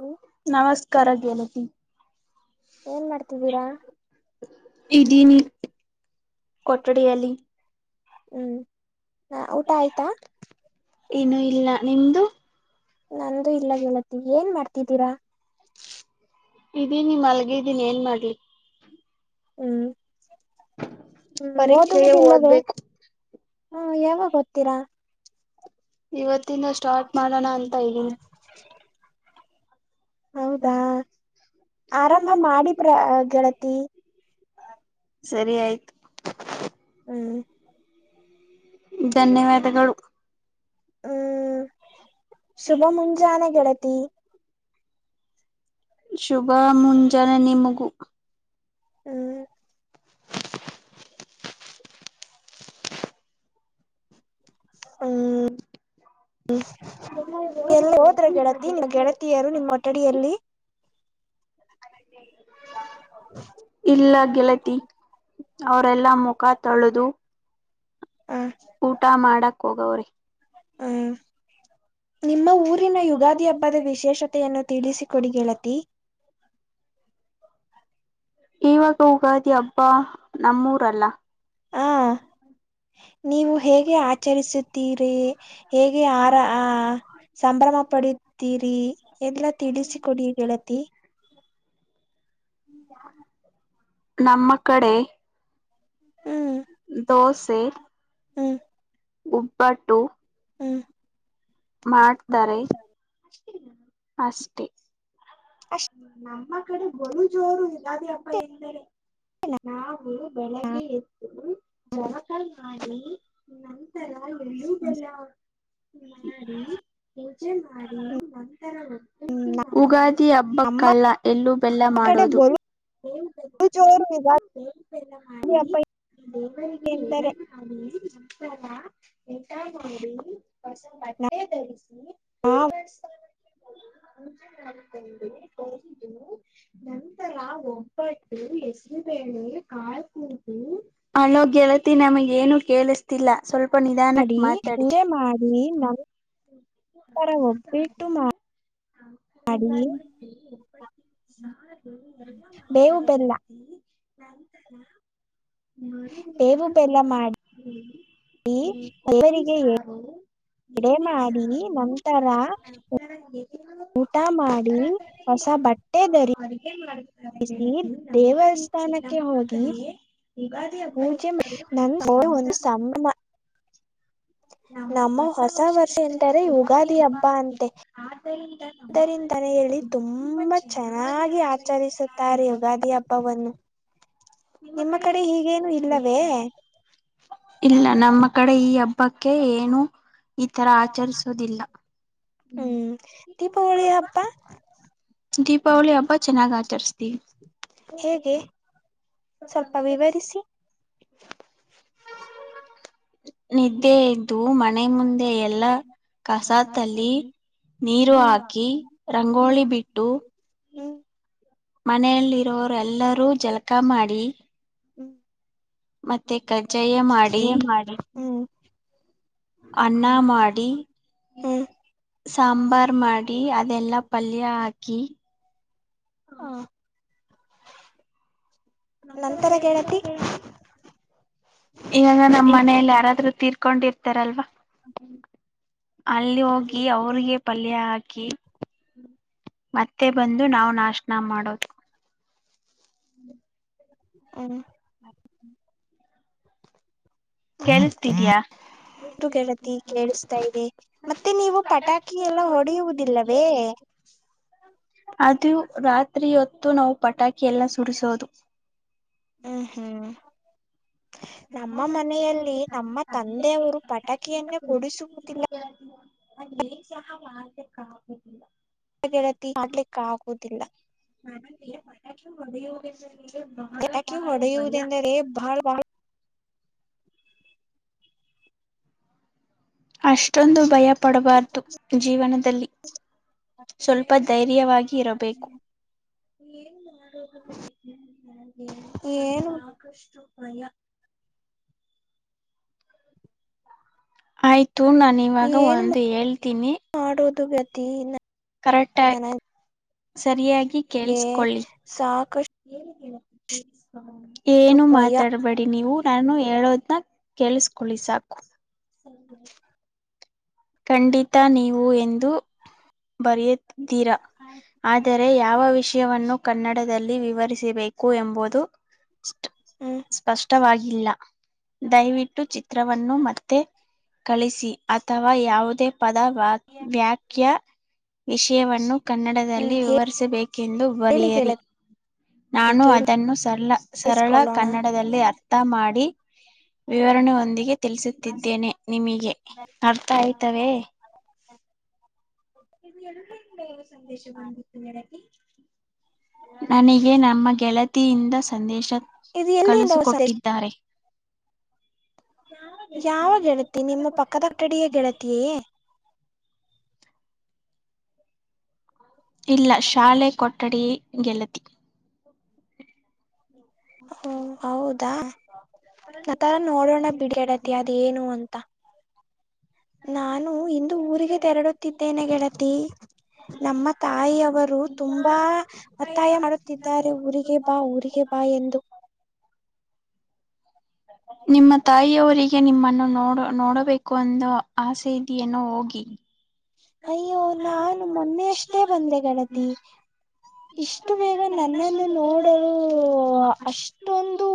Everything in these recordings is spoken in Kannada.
ಹ್ಮ್ ನಮಸ್ಕಾರ ಗೆಳತಿ. ಏನ್ ಮಾಡ್ತಿದೀರಾ? ಕೊಟ್ಟಡಿಯಲ್ಲಿ ಹ್ಮ್ ಹ ಊಟ ಆಯ್ತಾ? ಇನ್ನು ಇಲ್ಲ ನಿಮ್ದು ನಂದು ಇಲ್ಲ ಗೆಳತಿ, ಏನ್ ಮಾಡ್ತಿದ್ದೀರಾ? ಇದೀನಿ ಮಲ್ಗಿದೀನಿ ಏನ್ ಮಾಡ್ಲಿ? ಹ್ಮ್ ಪರೀಕ್ಷೆಗೆ ಓದುವುದಿಲ್ಲವೇ ಓದ್ಬೇಕು. ಹ ಯಾವಾಗ ಓದ್ತೀರಾ ಇವತ್ತಿಂದ ಸ್ಟಾರ್ಟ್ ಮಾಡಣ ಅಂತ ಇದೀನಿ. ಹೌದಾ ಆರಂಭ ಮಾಡಿ ಪ್ರ ಗೆಳತಿ. ಸರಿ ಆಯ್ತು [inaudible] ಧನ್ಯವಾದಗಳು. [unintelligible] ಹೂ ಶುಭ ಮುಂಜಾನೆ ಗೆಳತಿ. [unintelligible] ಶುಭ ಮುಂಜಾನೆ ನಿಮಗೂ ಹೂ. [inaudible] ಹು. [unintelligible] ಹು ಎಲ್ಲಿ ಹೋದರಿ ಗೆಳತಿ ನೀವ್ ಗೆಳತಿಯರು ನಿಮ್ಮ ಕೊಠಡಿಯಲ್ಲಿ. [unintelligible] ಅಡಿಗೆ ಇಲ್ಲ. [unintelligible] ಇಲ್ಲ ಗೆಳತಿ ಅವರೆಲ್ಲಾ ಮುಖ ತೊಳೆದು. [inaudible] ಹ ಊಟ ಮಾಡಾಕ ಮಾಡಕ್ ಹೋಗ್ಯಾರ ಹೋಗವ್ರಿ ಹ. [inaudible] ನಿಮ್ಮ ಊರಿನ ಯುಗಾದಿ ಹಬ್ಬದ ವಿಶೇಷತೆಯನ್ನು ತಿಳಿಸಿ ಕೊಡಿ ಗೆಳತಿ. [unintelligible] ಇವಾಗ ಯುಗಾದಿ ಹಬ್ಬಾ ನಮ್ಮ ಊರಲ್ಲ. [unintelligible] ಹಾ. [unintelligible] ನೀವು ಹೇಗೆ ಆಚರಿಸುತ್ತೀರಿ ಹೇಗೆ ಆರ ಆ [unintelligible] ಸಂಭ್ರಮ ಪಡೆಯುತ್ತೀರಿ ಎಲ್ಲಾ ತಿಳಿಸಿ ಕೊಡಿ ಗೆಳತಿ. [unintelligible] [unintelligible] ನಮ್ಮ ಕಡೆ ಹೂ. [inaudible] ದೋಸೆ ಹು ಉಬ್ಬಟ್ಟು ಹು. [unintelligible] ಮಾಡ್ತಾರೆ ಅಷ್ಟೇನಾ ಅಷ್ಟೇ. [unintelligible] ಅಷ್ [unintelligible] ನಮ್ಮ ಕಡೆ ಬಲು ಜೋರು ಯುಗಾದಿ ಹಬ್ಬ ಎಂದರೆ. [unintelligible] ನಾವು ಬೆಳಗ್ಗೆ ಏದ್ದು. ಜಳಕ ಮಾಡಿ, ನಂತ [unintelligible] ನಂತರ ಎಳ್ಳು ಬೆಲ್ಲ ಮಾಡಿ, ಪೂಜೆ ಮಾಡಿ ಮ [unintelligible] ನಂತರ ಒಬ್ಬಟ್ಟು ಮಾಡಿ ಯುಗಾದಿ ಹಬ್ಬ. [inaudible] ನಮ್ಮ ಕಲ್ಲ ಎಲ್ಲೂ, ಬೆಲ್ಲ ಕಡೆ ಮಾಡೋದು. ಬಲು [inaudible] ಜೋರು ಯುಗಾದಿ ಎಳ್ಳು ಬೆಲ್ಲ ಮಾಡಿ ಹಬ್ಬ ದೇವರಿಗಿ ಏಡೆ ಎಂದರೆ ಮಾಡಿ. [unintelligible] ಮಾಡಿ ನಂತರ. [unintelligible] ಊಟ ಮಾಡಿ ಹೊಸ ಬಟ್ಟೆ ಧರಿಸಿ ನಾವು ದೇವಸ್ಥಾನ. [unintelligible] ಪೂಜೆ ಮಾಡಿ ಬಂದೇ. [inaudible] ಹ ನಂತರ ಒಬ್ಬಟ್ಟು ಹೇಸರು ಬೇಳೆ ಕಾಳ ಕೂ [unintelligible] ಹಲೋ ಗೆಳತಿ ನಮಗ ಏನು ಕೇಳಿಸ್ತಿಲ್ಲ ಸ್ವಲ್ಪ ನಿಧಾನಕ್ ಮಾತಾಡಿ. [unintelligible] ನೀವು ನಮ್ಮ ತರಾ ಒಬ್ಬಟ್ಟು ಮಾಡ ಮಾಡಿ. [inaudible] ಡೈಲಿ ಒಬ್ಬಟ್ಟು ಸಾರು ಎಲ್ಲ ಮಾಡಿ [unintelligible] ಬೇವು ಬೆಲ್ಲ ಬೇವು ಬೆಲ್ಲ ಮಾಡಿ. [unintelligible] ಹು. [unintelligible] ಹೂ ಕೋಳಿ ದೇವರಿಗೆ ಸಾರು. [unintelligible] ಎಡೆ ಮೇಕೆ ಮಾಡಿ ಸಾರು. ನಂತರ [inaudible] ಊಟ ಮಾಡಿ ಹೊಸ ಬಟ್ಟ ಅಡುಗೆ ಮಾಡುತ್ತಾರೆ ಗೆಳತಿ ನಮ್ಮ ರೀತಿ ದೇವಸ್ಥಾನಕ್ಕೆ ನಮ್ಮ ಹೋಗಿ ಕಡೆ ಯುಗಾ [unintelligible] ಪೂಜೆ ಮತ್ತ ನಂದು ಒಂದು ಸಂಭ್ರಮ. [inaudible] ನಮ್ಮ ಹೊಸ ವರ್ಷ ಎಂದರೆ ಯುಗಾದಿ ಹಬ್ಬ ಅಂತೇ ಆದ್ದರಿಂದ. [inaudible] ಇದರಿಂದಾನೇ ಹೇಳಿ ತುಂಬಾ ಚೆನ್ನಾಗಿ ಆಚರಿಸುತ್ತಾರೆ ಯುಗಾದಿ ಹಬ್ಬವನ್ನು. [unintelligible] ನಿಮ್ಮ ಕಡೆ ಹೀಗೇನು ಇಲ್ಲವೇ. [unintelligible] ಇಲ್ಲ ನಮ್ಮ ಕಡೆ ಈ ಹಬ್ಬಕ್ಕೆ ಏನು ಈ ತರ ಆಚರಿಸ [unintelligible] ಸುವುದಿಲ್ಲ. [unintelligible] ಹ್ಮ್ ದೀಪಗಳ ಹಬ್ಬಾ ದೀಪಾವಳಿ ಹಬ್ಬ ಚೆನ್ನಾಗ್ ಆಚರ್ಸತಿವಿ ಹೇಗೆ ಸ್ವಲ್ಪ ವಿವರಿಸಿ [unintelligible] ನಿದ್ದೆ ಎದ್ದು ಮನೆ ಮುಂದೆ ಎಲ್ಲಾ ಕಸಾತ್ತಲ್ಲಿ ನೀರು ಹ್ಮ್ ಹಾಕಿ ರಂಗೋಲಿ ಹ್ಮ್ ಬಿಟ್ಟು ಮನೆಯಲ್ಲಿ ಇರೋರು ಎಲ್ಲರೂ ಜಳಕಾ ಮಾಡಿ ಹ್ಮ್ ಮತ್ತೆ ಕಜ್ಜಾಯ ಮಾಡಿ ಮಾಡಿ ಹ್ಮ್ ಅನ್ನ ಮಾಡಿ ಹ್ಮ್ ಸಾಂಬಾರ್ ಮಾಡಿ ಟಿ ಅದೆಲ್ಲಾ ಪಲ್ಯ ಹಾಕಿ ಹ ನಂತರ ಗೆಳತಿ ಈವಾಗ ನಮ್ಮ್ ಮನೆಯಲ್ಲಿ ಯಾರಾದರೂ ತೀರ್ಕೊಂಡಿರ್ತಾರಲ್ವಾ ಅಲ್ಲಿ ಹೋಗಿ ಹ್ಮ್ ಅವ್ರಿಗೆ ಪಲ್ಯ ಹಾಕಿ ಮತ್ತೆ ಬಂದು ನಾವು ನಾಸ್ಟಾ ಮಾಡೋದು ಹ ಕೇಳಿಸತಿದ್ಯಾ ಹೌದು ಗೆಳತಿ ಕೇಳಿಸ್ತಾ ಇದೆ ಮತ್ತೆ ನೀವು ಪಟಾಕಿ ಎಲ್ಲ ಹೊಡೆಯುವುದಿಲ್ಲವೇ ಅದು ರಾತ್ರಿ ಹೊತ್ತು ನಾವು ಪಟಾಕಿ ಎಲ್ಲಾ ಸುಡಿಸೋದು ಹ್ಮ್ ಹ್ಮ್ ನಮ್ಮ ಮನೆಯಲ್ಲಿ ನಮ್ಮ ತಂದೆಯವರು ಪಟಾಕಿಯನ್ನೇ ಕೊಡಿಸುವುದಿಲ್ಲ [unintelligible] ಗೆಳತಿ ಮಾಡಲಿಕ್ಕ ಆಗುವುದಿಲ್ಲ [unintelligible] ನನಗೆ ಪಟಾಕಿ ಹೊಡೆಯುವುದೆಂದರೆ ಬಹಳ ಬಹಳ ಅಷ್ಟೊಂದು ಭಯ ಪಡಬಾರದು ಜೀವನದಲ್ಲಿ ಸ್ವಲ್ಪ ಧೈರ್ಯವಾಗಿ ಇರಬೇಕು ಏನು ಮಾಡೋದು ಸಾಕಷ್ಟು ಭಯ ಆಯ್ತು ನಾನ ಇವಾಗ ಏನು ಒಂದು ಹೇಳ್ತೀನಿ ಮಾಡೋದು ಗೆಳತಿನಾ ಕರೆಕ್ಟ ಆಗಿ ಸರಿಯಾಗಿ ಕೇಳಸ್ಕೊಳ್ಳಿ ಸಾಕಷ್ಟು ಏನು ಭಯ ಮಾತಾಡಬೇಡಿ ನೀವು ನಾನು ಹೇಳೋದನ್ನ ಕೇಳಿಸ್ಕೊಳ್ಳಿ ಸಾಕು [unintelligible] ಖಂಡಿತ ನೀವು ಎಂದು ಬರೆಯಿದ್ದೀರಾ ಆದರೆ ಯಾವ ವಿಷಯವನ್ನು ಕನ್ನಡದಲ್ಲಿ ವಿವರಿಸಬೇಕು ಎಂಬುದು ಹ್ಮ್ ಸ್ಪಷ್ಟವಾಗಿಲ್ಲ ದಯವಿಟ್ಟು ಚಿತ್ರವನ್ನು ಮತ್ತೆ ಕಳಿಸಿ ಅಥವಾ ಯಾವುದೇ ಪದ ವ ವ್ಯಾಕ್ಯ ವಿಷಯವನ್ನು ಹ್ಮ್ ಕನ್ನಡದಲ್ಲಿ ವಿವರಿಸಬೇಕೆಂದು ಹೇಳಿ ಬರೆಯಿರಿ ಗೆಳತಿ ನಾನು ಕೇಳಿ ಅದನ್ನು ಸರಲ ಸರಳ ಇಸ್ಕೊಳ್ಳೋಣ ಕನ್ನಡದಲ್ಲಿ ಅರ್ಥ ಮಾಡಿ ವಿವರಣೆಯೊಂದಿಗೆ ತಿಳಿಸುತ್ತಿದ್ದೇನೆ ನಿಮಗೆ ಅರ್ಥ ಆಯ್ತವೆೇ ಇದು ಎಲ್ಲಿಂದ ಸಂದೇಶ ಬಂದಿತ್ತು ಗೆಳತಿ. ನನಗೆ ನಮ್ಮ ಗೆಳತಿಯಿಂದ ಸಂದೇಶ ಇದು ಎಲ್ಲಿಂದ ಹೊಸ ಕಳಿಸಿಕೊಟ್ಟಿದ್ದಾರೆ ಯಾವ ಗೆಳತಿ ನಿಮ್ಮ ಪಕ್ಕದ ಕಟ್ಟಡಿಯ ಗೆಳತಿಯೇ. ಇಲ್ಲ ಶಾಲೆ ಕೊಠಡಿ ಗೆಳತಿ. ಓ ಹೌದಾ ಆ ತರ ನೋಡೋಣ ಬಿಡಿ ಗೆಳತಿ ಅದು ಏನು ಅಂತ ನಾನು ಇಂದು ಊರಿಗೆ ತೆರಳುತ್ತಿದ್ದೇನೆ ಗೆಳತಿ. ನಮ್ಮ ತಾಯಿಯವರು ತುಂಬಾ ಒತ್ತಾಯ ಮಾಡುತ್ತಿದ್ದಾರೆ ಊರಿಗೆ ಬಾ ಊರಿಗೆ ಬಾ. ಬಾ ಎಂದು. ನಿಮ್ಮ ತಾಯಿಯವರಿಗೆ. ನಿಮ್ಮನ್ನು ನೋಡ ನೋಡಬೇಕು ಅಂದು ಆಸೆ ಇದೆನೋ ಹೋಗಿ. ಅಯ್ಯೋ ನಾನು ಮೊನ್ನೆ ಅಷ್ಟೇ ಬಂದೆ ಗೆಳತಿ. ಇಷ್ಟು ಬೇಗ ನನ್ನನ್ನು ನೋಡಲು ಅಷ್ಟೊಂದು.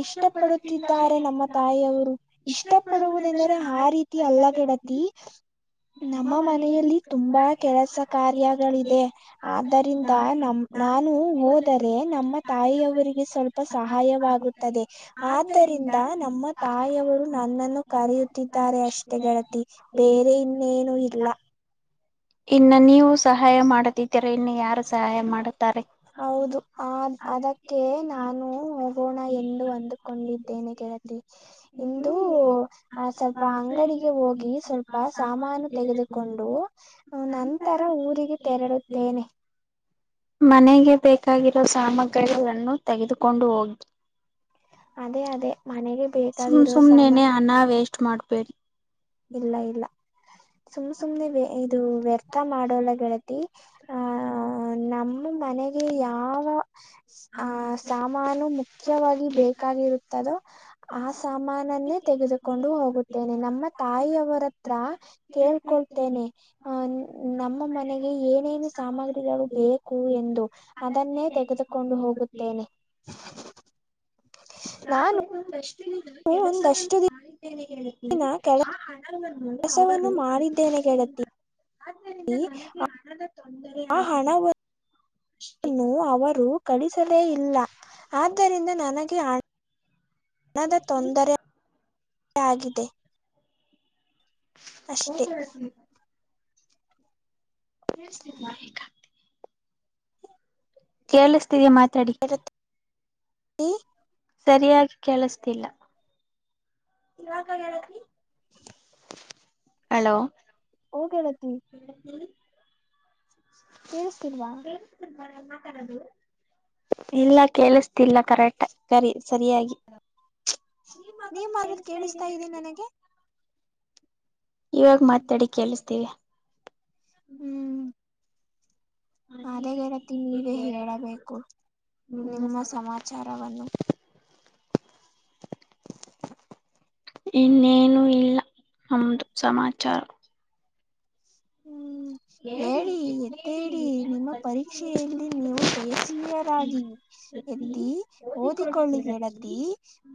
ಇಷ್ಟ ಪಡುತ್ತಿದ್ದಾರೆ ನಮ್ಮ ತಾಯಿಯವರು ಇಷ್ಟ ಪಡುವುದೆಂದರೆ ಆ ರೀತಿ. ಅಲ್ಲ ತಿ ಗೆಳತಿ. ನಮ್ಮ ಮನೆಯಲ್ಲಿ ತುಂಬಾ ಕೆಲಸ ಕಾರ್ಯಗಳಿದೆ. ಆದ್ದರಿಂದ ನಮ್ಮ ನಾನು ಹೋದರೆ ನಮ್ಮ ತಾಯಿಯವರಿಗೆ ಸ್ವಲ್ಪ. ಸಹಾಯವಾಗುತ್ತದೆ ಆದ್ದರಿಂದ ನಮ್ಮ ತಾಯಿಯವರು. ನನ್ನನ್ನು ಕರೆಯುತ್ತಿದ್ದಾರೆ ಅಷ್ಟೇ ಗೆಳತಿ ಬೇರೆ ಇನ್ನೇನು ಇಲ್ಲ. ಇನ್ನ ನೀವು ಸಹಾಯ ಮಾಡದಿದ್ದೀರ ಇನ್ನು ಯಾರ ಸಹಾಯ ಮಾಡ ಹೌದು ಆ ಅದಕ್ಕೆ ನಾನು ಹೋಗೋಣ ಎಂದು ಒಂದು. ಕೊಂಡಿದ್ದೇನೆ ಕೆಳತಿ ಇಂದು. ಆ ಸ್ವಲ್ಪ ಅಂಗಡಿಗೆ ಹೋಗಿ ಸ್ವಲ್ಪ ಸಾಮಾನು ತೆಗೆದುಕೊಂಡು. ಆ ನಂತರ ಊರಿಗೆ ತೆರಳುತ್ತೇನೆ. ಮನೆಗೆ ಬೇಕಾಗಿರೋ ಸಾಮಗ್ರಿಗಳನ್ನು ತೆಗೆದುಕೊಂಡು ಹೋಗಿ ಅದೇ ಅದೇ ಮನೆಗೆ ಸುಮ್ ಬೇಕಾಗಿರುವ ಸಾಮಾನು ಸುಮ್ನೆನೆ ಅನ್ನ ವೇಸ್ಟ್ ಮಾಡ್ಬೇಡಿ. ಇಲ್ಲ ಇಲ್ಲ ಸುಮ್ ಸುಮ್ನೆ ಇದು ವ್ಯರ್ಥ ಮಾಡೋಲ್ಲ ಗೆಳತಿ. ಆಹ ನಮ್ಮ ಮನೆಗೆ ಯಾವ ಆಹ ಸಾ. ಸಾಮಾನು ಮುಖ್ಯವಾಗಿ ಬೇಕಾಗಿರುತ್ತದೋ. ಆ ಸಾಮಾನನ್ನೇ ತೆಗೆದುಕೊಂಡು ಹೋಗುತ್ತೇನೆ ನಮ್ಮ ತಾಯಿಯವರತ್ರ. ಕೇಳ್ಕೊಳ್ತೇನೆ. ಅಹ ನಮ್ಮ ಮನೆಗೆ ಏನೇನು ಸಾಮಗ್ರಿಗಳು ಬೇಕು ಎಂದು. ಅದನ್ನೇ ತೆಗೆದುಕೊಂಡು ಹೋಗುತ್ತೇನೆ ನಾನ ಕೆಲಸವಂತ ಮಾಡಿದ್ದೇನೆ ಗೆಳತಿ ದಿನ ಕೆಲ [unintelligible] ವನ್ನು ಕೆಲಸವನ್ನು ಅವರು ಕ ಮಾಡಿದ್ದೇನೆ ಗೆಳತಿ ಆದ್ದರಿಂದ ನನಗೆ ಹಣದ ತೊಂದರೆ ಆ ಆಗಿದೆ ಹಣವನ್ನು ಅಷ್ಟೇ. ನ್ನು ಅವರು ಕಳಿಸದೇ ಇಲ್ಲ ಆದ್ದರಿಂದ ನನಗೆ ಆ ಹಣದ ತೊಂದರೆ [unintelligible] ಆಗಿದೆ. ಅಷ್ಟೇ [inaudible] ಕೇಳಿಸ್ತೀರಿ ಮಾತಾಡಿದ್ದು. [inaudible] ಸರಿಯಾಗಿ ಕೆಳಸ್ತಿಲ್ಲ. ಹಲೋ. ಓ ಗೆಳತಿ. ಹ್ಮ. ಕೇಳಸ್ತಿಲ್ವಾ. ಕೇಳಿಸ್ತಿಲ್ವ ನಾನ್ ಮಾತಾಡೋದು. ಇಲ್ಲ ಕೇಳಿಸ್ತಿಲ್ಲ ಕರೆಕ್ಟ್ ಸರಿ ಸರಿಯಾಗಿ ಶ್ರೀಮಕ ನೀವ್ ನಿ ಮಾಡೋದ್ ಕೇಳಿಸ್ತಾ ಇದಿ ಇದೆ ನನಗೆ ಇವಾಗ ಮಾತಾಡಿ ಕೇಳಿಸತೀದೆ ಹ್ಮ್ ಅದಾಗಿ ರತಿ ನೀವೇ ಹೇಳಬೇಕು ನಿಮ್ಮ ಸಮಾಚಾರವನ್ನು ಇನ್ನೇನು ಇಲ್ಲ ನಮ್ದು ಸಮಾಚಾರ ಹ್ಮ್ ಹೇಳಿ ಹೇಳಿ ಎದ್ದೇಳಿ [unintelligible] ನಿಮ್ಮ ಪರೀಕ್ಷೆ ಎತ್ತಿ ಓದಿಕೊಳ್ಳಿ ಗೆಳತಿ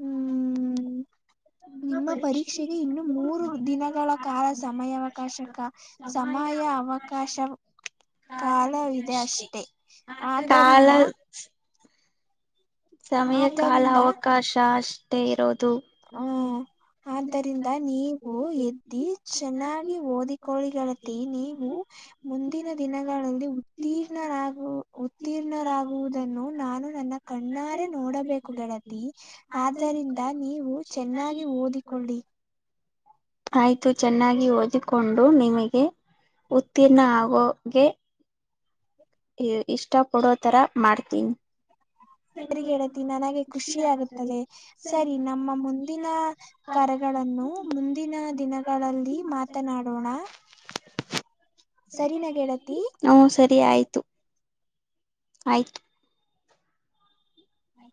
ಹ್ಮ ನಿಮ್ಮ ಪರೀಕ್ಷೆಗೆ ಇನ್ನು ಮೂರು ದಿನಗಳ ಕಾಲ ಸಮಯಾವಕಾಶಕ ಸಮಯ ಅವಕಾಶ ಕಾಲ ಇದೆ ಅಷ್ಟೇ ಕಾಲ ಆದ್ದರಿಂದ ಸಮಯ ಕಾಲ ಆದ್ದರಿಂದ ಅವಕಾಶ ಅಷ್ಟೇ ಇರೋದು ಹ್ಮ ಆದ್ದರಿಂದ ನೀವು ಎದ್ದಿ ಚೆನ್ನಾಗಿ ಓದಿಕೋಳ್ಳಿ ಗೆಳತಿ ನೀವು ಮುಂದಿನ ದಿನಗಳಲ್ಲಿ ಉತ್ತೀರ್ಣರಾಗ ಉತ್ತೀರ್ಣರಾಗುವುದನ್ನು ನಾನು ನನ್ನ ಕಣ್ಣ ನೋಡಬೇಕು ಗೆಳತಿ ಆದ್ದರಿಂದ ನೀವು ಚೆನ್ನಾಗಿ ಓದಿಕೊಳ್ಳಿ ಆಯ್ತು ಚೆನ್ನಾಗಿ ಓದಿಕೊಂಡು ನಿಮಗೆ ಉತ್ತೀರ್ಣ ಆಗೋಗೆ ಇಷ್ಟ ಪಡೋ ತರ ಮಾಡ್ತೀನಿ ಗೆಳತಿ ನನಗೆ ಖುಷಿ ಆಗುತ್ತದೆ ಸರಿ ನಮ್ಮ ಮುಂದಿನ ಕರೆಗಳನ್ನು ಮುಂದಿನ ದಿನಗಳಲ್ಲಿ ಮಾತನಾಡೋಣ ಸರಿನಾ ಗೆಳತಿ ಹ್ಮ ಸರಿ ಆಯ್ತು ಆಯ್ತು ಹ್ಮ [unintelligible]